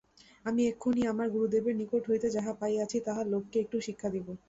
আমি এক্ষণে আমার গুরুদেবের নিকট হইতে যাহা পাইয়াছি, তাহাই লোককে একটু শিক্ষা দিব।